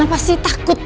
gak ada torn